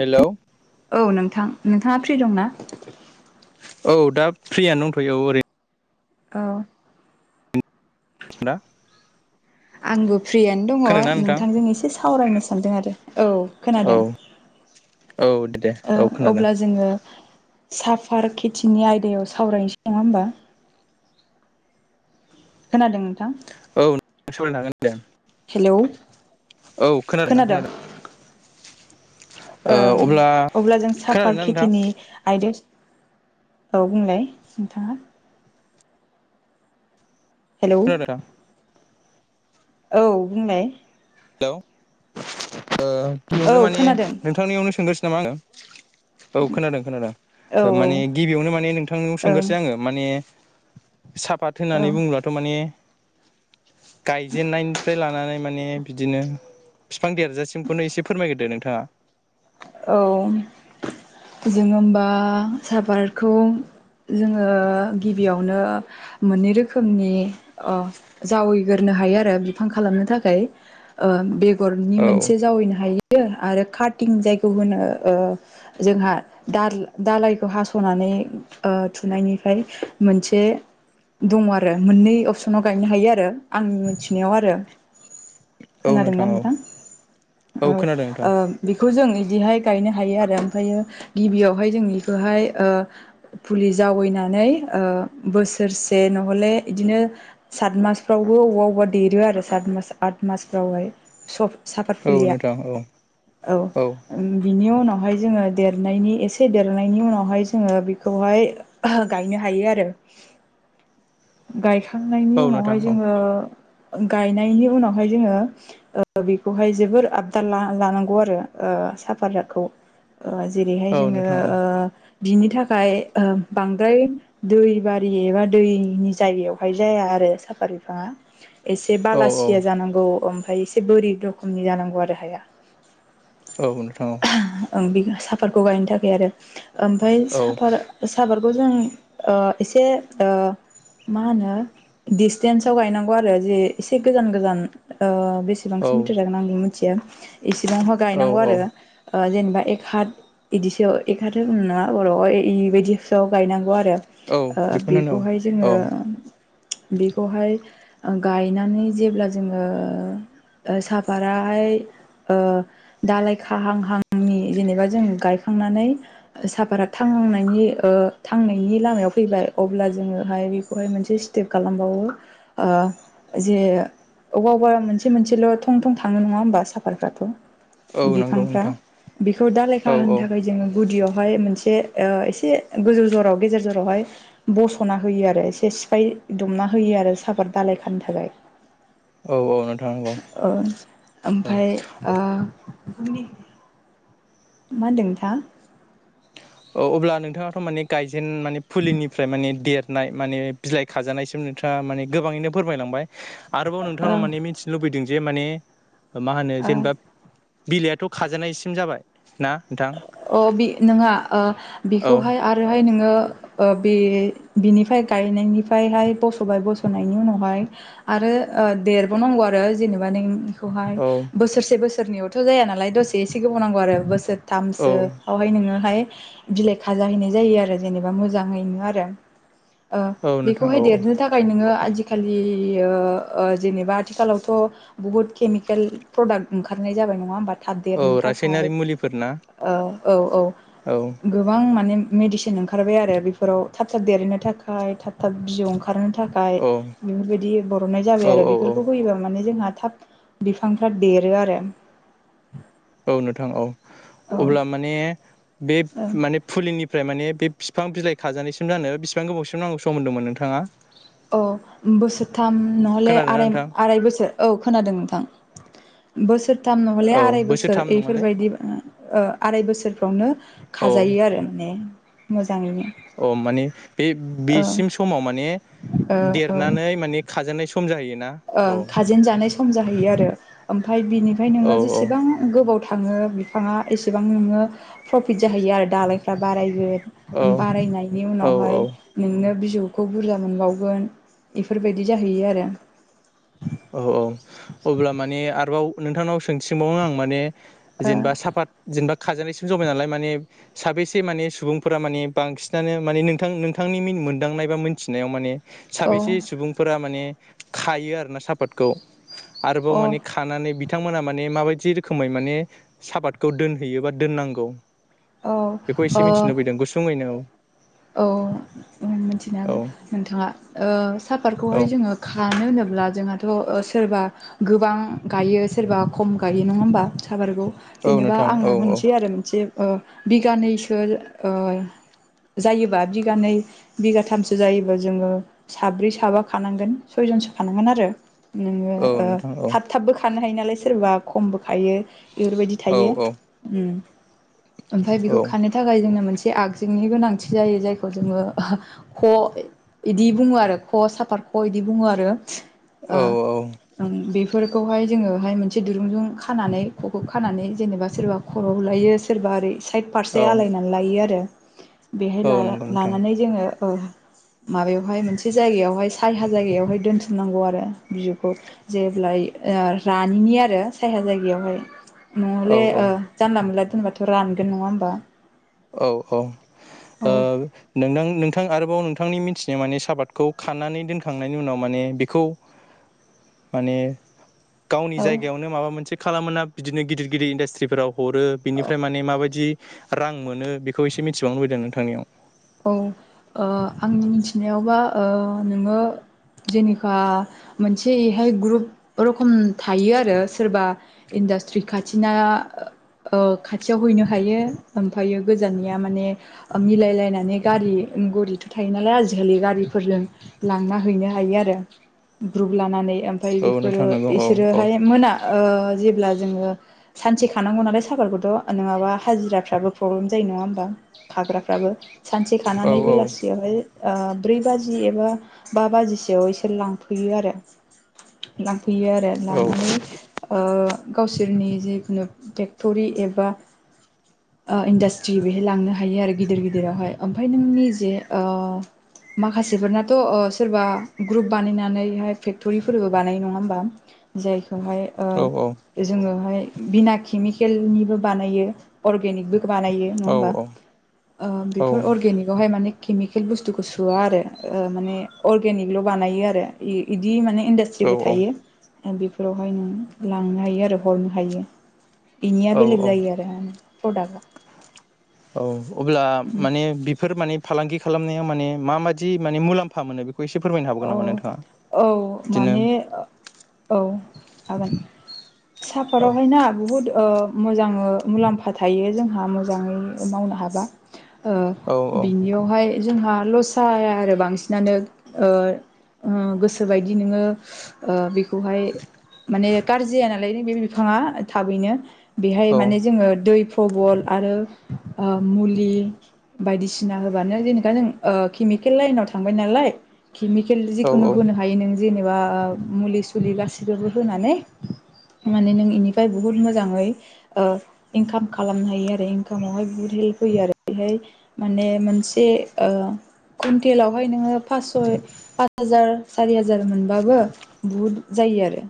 Hello औ नोंथां नोंथाङा फ्रि दंना? औ दा फ्रियानो दंथ'यो औ ओरै औ। ना आंबो फ्रियानो दङ' नोंथांजों एसे सावरायनो सानदों आरो। औ खोनादों। औ औ दे दे ओ औ खोनादों अब्ला जोङो साफार खेथिनि आयदायाव सावरायनोसै नङा होमबा? खोनादों नोंथां। औ सावरायनो हागोन दे। हेलौ औ खोनादों नोंथां खोनादों। ओ ओं अब्ला अब्ला जों साफात खोनादोंना नोंथां खेथिनि आयदायाव औ बुंलाय नोंथाङा हेलौ [unintelligible] औ बुंलाय हेलौ ओ औ नुनो माने खोनादों नोंथांनियावनो सोंग्रोसै नामा आङो? औ खोनादों खोनादों औ दा माने गिबियावनो माने नोंथांनाव ओं सोंगोरसै आङो माने साफात औ होननानै बुङोब्लाथ' माने गायजेननायनिफ्राय लानानै माने बिदिनो बिफां देरजासिमखौनो एसे फोरमायग्रोदो नोंथाङा औ जोङो होनबा सापारखौ जोङो गिबियावनो मोननै रोखोमनि अ जावै गोरनो हायो आरो बिफां खालामनो थाखाय ओ बेगरनि औ मोनसे जावैनो हायो आरो कातिं जायखौ खौ होनो ओ जोंहा दा-दालाइखौ हास'नानै ओ थुनायनि फाय मोनसे दङ' आरो मोननै अपसनाव गायनो हायो आरो आंनि मोनथिनायाव आरो। औ खोनादोंना औ नोंथां? औ ओ खोनादों नोंथां ओ बेखौ जों बेहाय गानो हायो आरो ओमफायो गिबियावहाय जों बेखौहाय ओ फुलि जावैनानै नै बोसोरसे नहले बिदिनो सात मासफ्रावबो अबावबा अबावबा देरो आरो सात मास आत मास फ्रावहाय स साफात औ फुलिया नोंथां औ औ। बेनि उनावहाय जोङो देरनायनि एसे देरनायनि उनावहाय जोङो बेखौहाय गायनो हायो। यो आरो। गायखांनायनि औ नोंथां उनावहाय औ जोङो गायनायनि उनावहाय जोङो ओ बेखौहाय जोबोर आबदाल ला-लानांगौ आरो ओ साफाराखौ जेरैहाय औ जोङो नोंथां औ बिनि थाखाय ओ बांद्राय दैबारि एबा दैनि जायगायावहाय जाया आरो साफा बिफांआ एसे औ बालासिया जानांगौ ओम फाय एसे बोरि रोखोमनि जानांगौ आरो हाया। औ नों ओम बे साफादखौ गायनो थाखाय आरो। ओमफ्राय औ साफार साफार खौ जों ओ एसे ओ मा होनो दिडसटेन्साव गायनांगौ आरो जे एसे गोजान गोजान ओ, बेसेबां औ मिटार जागोन आं मिथिया इसेबांहा औ गायनांगौ औ आरो जेनेबा एक हाथ बिदिसो एक हाथ होनोमोन नामा बर'आवबायदिसोआव गायनांगौ, बेखौ औ आरो बेखौनो बेखौहाय औ औ जोङो बेखौहाय, गायनानै जेब्ला जोङो, साफताहाय ओ दालाय खाहां [unintelligible] जेनेबा जों गायखांनानै सापाता थांनायनि ओ थांनायनि ला लामायाव फैबाय अब्ला जोङोहाय बेखौहाय मोनसे स्टेप खालामबावो ओ जे अबा अबेबा मोनसे मोनसेल' थं थं थाङो नङा होमबा साफारफ्राथ' औ नंगौ बिफांफ्रा नोंथां, बेखौ दा लेखा औ होनो थाखाय जोङो गुदिआव बेहाय मोनसे ओ एसे गोजौ ज'राव गेजेर जरावहाय बसना होयो आरो एसे सिफाय दुमना होयो आरो साफत दालाय खानो थाखाय। औ औ नोंथां नंगौ ओ औ ओमफाय ओ [unintelligible] मा होनदों नोंथाङा? ओ अब्ला नोंथाङाथ' माने गायजेन माने फुलिनिफ्राय माने देरनाय माने बिलाइ खाजानायसिम नोंथां माने गोबाङैनो फोरमायलांबाय। आरोबाव नोंथांनाव औ माने मिथिनो लुबैदों जे माने मा होनो ओ जेनेबा बिलाइआथ' खाजानायसिम जाबाय ना नोंथां अ बि नोङा ओ औ बेखौहाय आरोहाय नोङो ओ बे बिनिफ्राय गायनायनिफ्रायहाय बस'बाय बस'नायनि उनावहाय आरो देरबावनांगौ आरो जेनेबा नों बेखौहाय औ बोसोरसे बोसोरनैयावथ' जाया नालाय दसे एसे गोबाव नांगौ आरो बोसोर औ थामसोआवहाय नोङोहाय बिलाइ खाजाहैनाय जायो आरो जेनेबा मोजाङैनो आरो। ओ औ नोंथां बेखौहाय औ देरनो थाखाय नोङो आजिखालि बियो ओ जेनेबा आथिखालावथ' बुहुत केमिकेल प्रदाक्ट ओंखारनाय जाबाय नङा होमबा थाब औ देरनो थाखाय रासायनारि मुलिफोर ना ओ औ औ औ गोबां माने मेडिसिन ओंखारबाय आरो बेफोराव थाब थाब देरहैनो थाखाय थाब थाब बिजौ ओं ओंखारनो थाखाय औ बेफोरबायदि बरननाय जाबाय औ आरो औ औ बेफोरखौ होयोबा माने जोंहा थाब बिफांफ्रा देरो आरो। औ नोंथां औ अब्ला औ माने बे माने फुलिनि फ्राय माने बे फिफां बिलाइ खाजानायसिम जानो बिसिबां गोबावसिम नांगौ सम होन्दोंमोन नोंथाङा? औ बोसोरथाम नहले खोनादोंना आराय नोंथां आराय बोसोर औ खोनादों नोंथां। बोसोरथाम नहले औ आराय बोसोर बोसोरथाम नङालै इफोरबायदि ओ आराय बोसोरफ्रावनो खाजायो आरो माने मो अ माने बे ओ ओ बेसिम समाव माने देरनानै माने खाजेनानाय सम जाहैयोना ओ औ खाजेन जानाय सम जाहैयो आरो ओमफाय बिनिफ्राय औ नोङो जेसेबां औ गोबाव था थाङो बिफाङा एसेबां नोङो प्रफिट जाहैयो आरो दालायफ्रा बारायगोन। बारायनायनि औ औ उनावहाय नोंनो बिज बिजौखौ बुरजा मोनबावगोन बेफोरबायदि जाहैयो आरो औ अब्ला माने आरोबाव नोंथांनाव सोंथिं सोंबावनो आं माने जेनेबा ओ साफात जेनेबा खाजानायसिम जबाय नालाय माने साबेसे माने सुबुंफोरा माने बांसिनानो माने नोंथां नोंथांनि मिन मोनदांनाय बा मोनथिनायाव माने साबेसे सुबुंफोरा माने खायो आरोना सापातखौ? आरोबाव औ माने खानानै बि बिथांमोना माने माबायदि रोखोमै माने साफातखौ दोनहैयो बा दोननांगौ? अ बेखौ औ एसे ओ मिथिनो लुबैदों गुसुङैनो औ औ मिथिनो औ हागोन। नोंथाङा ओ साफातखौहाय औ जोङो खानो होनोब ब्ला जोंहाथ' सोरबा गोबां गायो सोरबा खम गायो नङा होमबा साबारगौ औ जेनेबा नोंथां आङो औ औ होनसै आरो मोनसे ओ बिगानैसो ओ जायोबा बिगानै बिगाथामसो जायोबा जोङो साब्रै साबा खानांगोन सयजन खानांगोन आरो नोङो औ ओ नोंथां औ थाब थाबबो खानो हायो नालाय सोरबा खमबो खायो बेफोरबायदि औ थायो औ ओम ओमफ्राय बेखौ खानो थाखाय जोंनो मोनसे आगजुनि गोनांथि जायो जायखौ जोङो ख' इदि बुङो आरो ख' साफाद ख' इदि बुङो आरो ओ औ ओं बेफोर बेफोरखौहाय जोङोहाय मोनसे दुरुं जों खानानै ख'खौ खानानै जेनबा सोरबा खर'आव लायो सोरबा ओरै साइद फारसे औ आलायनानै लायो आरो बेहाय औ नंगौ लाना- नोंथां लानानै जोङो माबायावहाय मोनसे जायगायावहाय साया जायगायावहाय दोनथुमनांगौ आरो बिजौखौ जेब्लाय ओ रानिनि आरो साया जायगायावहाय नङाब्ला औ हले जानला मोनला दोनबाथ' रानगोन नङा होमबा औ औ ओ औ नोंथां नोंथां आरोबाव नोंथांनि मिथिनाय माने साफादखौ खानानै दोनखांनायनि उनाव माने बेखौ माने गावनि औ जायगायावनो माबा मोनसे खालामोना बिदिनो गिदिर गिदिर इन्डास्ट्रिफोराव हरो औ बिनिफ्राय माने माबायदि रां मोनो बेखौ एसे मिथिबावनो लुबैदों नोंथांनियाव औ ओ आंनि मिथिनायावबा ओ नोङो जेनखा मोनसे एहाय ग्रुप रोखम थायो आरो सोरबा इन्डास्ट्रि खाथिना ओ खाथियाव हैनो हायो ओमफ्रायो गोजाननिया माने मिलायलायना माने गारि गारिथ' थायो नालाय आजिखालि गारिफोरजों लांना हैनो हायो आरो ग्रुप लानानै ओमफ्राय औ बेफोरो नोंथां नंगौ औ औ बिसोरोहाय मोना ओ जेब्ला जोङो सानसे खानांगौ नालाय साफादखौथ नङाब्ला हाजिराफ्राबो प्रब्लेम जायो नङा होनबा खाग्राफ्राबो सानसे खानानै औ बेलासियावहाय ओ ब्रै बाजि एबा बा बाजिसोयाव बिसोर लांफैयो आरो लांफैयो आरो औ लांनानै ओ गावसोरनि जिखुनु फेक्ट'रि एबा ओ इन्डास्ट्रि बेहाय लांनो हायो आरो गिदिर गिदिरावहाय ओमफ्राय नों निजे ओ माखासेफोरनाथ' ओ सोरबा ग्रुप बानायनानैहाय फेक्टरिफोरबो बानायो नङा होमबा जाय खौहाय ओ जोङोहाय बिना केमिकेलनिबो बानायो अरगेनिकबो बानायो नङा औ होमबा? ओ बेफोर अरगेनिक आवहाय माने केमिकेल बुस्थुखौ सोआ आरो ओ माने अरगेनिकल' बानायो आरो इदि माने इन्डास्ट्रिबो थायो बेफोरावहाय नों लांनो हायो आरो हरनो हायो बिनिया औ बेलेग औ जायो आरो प्रडाक्टआ औ अब्ला माने बेफोर माने फालांगि खालामनायाव माने माबायदि माने मुलाम्फा मोनो बेखौ एसे फोरमायनो औ हाबावगोन नामा नोंथाङा औ बिदिनो माने औ हागोन औ साफादावहाय ना बुहुत ओ मोजाङै मुलाम्फा थायो जोंहा मोजाङै मावनो हाबा ओ बिनियावहाय जोंहा लस जाया आरो बांसिनानो ओ गोसोबायदि नोङो ओ बेखौहाय माने गाज्रि जाया नालाय बे बिफाङा थाबैनो बेहाय माने जोङो दै प्रबल आरो ओ मुलि बायदिसिना होबानो जेनबा जों केमिकेल लाइनाव थांबाय नालाय केमिकेल जिखुनु होनो हायो नों जेनबा मुलि सुलि गासिबो होनानै माने नों बेनिफ्राय बुहुत मोजाङै इनकाम खालामनो हायो आरो इनकामावहाय बुहुत फैयो आरो बेहाय माने मोनसे कुन्टेलावहाय नोङो पास हाजार सारि हाजार मोनबाबो बहुद जायो आरो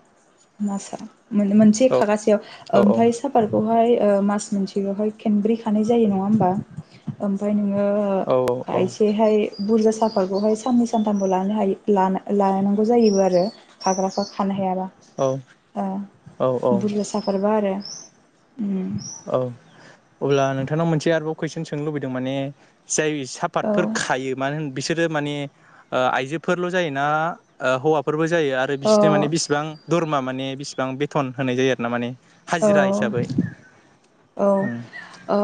मासाव मोनसे खागासेयाव ओमफ्राय औ-औ-औ-औ-औ-औ-औ-औ-औ-औ-औ-औ-औ साफादखौहाय मास मोनसेयावहाय खेनब्रै खानाय जायो नङा होमबा ओमफ्राय नोङो ओ खायसे हारि [unintelligible] सानथामबो ला [unintelligible] हायो लानांगौ जायोबो आरो खाग्राफा खा हायाबा ओ बुरजा सफारबा आरो उम औ अब्ला नोंथांनाव मोनसे आरोबाव कुइसन सोंनो लुबैदों माने जाय औ साफातफोर खायो मानो होन बिसोरो मानि ओ आइजोफोरल' जायोना हौवाफोर जायो आरो ओ बिसोरनि माने बिसेबां दरमा माने बिसेबां बेथन होनाय जायो आरो ना माने हाजिरा औ हिसाबै औ ओ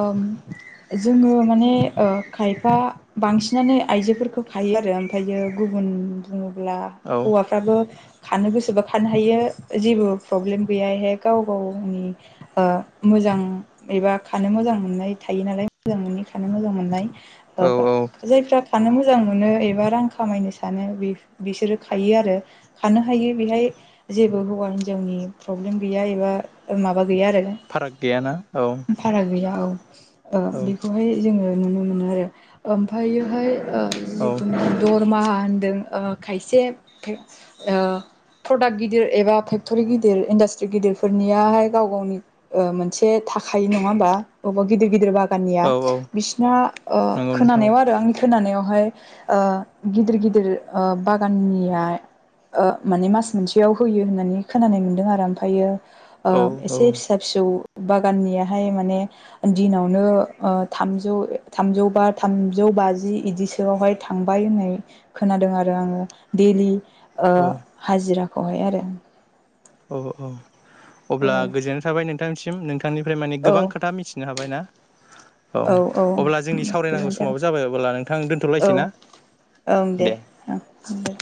जोङो माने ओ खायफा बांसिनानो आइजोफोरखौ खायो आरो ओमफायो गुबुन गुबुन [unintelligible] हौवाफ्राबो खानो गोसोबा खानो हायो जेबो प्रब्लेम गैया एहाय गावनि ओम मोजां एबा खानो मोजां मोननाय थायो नालाय मोजां मोनै खानो मोजां मोननाय ओ औ-औ-औ जायफ्रा खानो मोजां मोनो एबा रां खामायनो सानो बिसोरो खायो आरो खानो हायो बेहाय जेबो हौवा हिन्जावनि प्रब्लेम गैया एबा माबा गैया आरो ना फाराग गैयाना फाराग गैया औ ओ बेखौहाय जोङो नुनो मोनो आरो ओमफायहाय ओ औ-औ-औ-औ-औ जिखुनु दरमाहा होनदों ओ खायसे ओ प्रडाक्ट गिदिर एबा फेक्टरि गिदिर इनडास्ट्रि गिदिर फोरनियाहाय गाव गावनि ओ मोनसे थाखायो नङा होमबा बबेबा गिदिर गिदिर बा दानिया बिसिना ओ नंगौ नोंथां खोनानायाव आरो आंनि खोनानायाव बेहाय ओ गिदिर गिदिर बागाननिया ओ माने मास मोनसेयाव होयो होननानै खोनानाय मोनदों आरो ओमफायो ओ एसे फिसा फिसौ बागाननियाहाय माने दिनावनो ओ थामजौ ओ थामजौ बा थामजौ बाजि इदिसोआवहाय थांबाय होननाय खोनादों आरो आङो डेलि ओ औ-औ-औ-औ-औ हाजिराखौहाय आरो औ औ अब्ला औ गोजोननाय थाबाय नोंथांनिसिम नों बिथांनिफ्राय मानि औ गोबां खोथा मिथिनो हाबाय ना औ औ अब्ला जोंनि सावरायनांगौ गोजोन्थों समाबो जाबाय अब्ला नोंथां औ दोनथ'लायसै ना ओं दे ओं दे